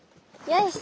よし。